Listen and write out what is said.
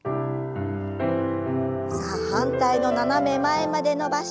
さあ反対の斜め前まで伸ばして戻します。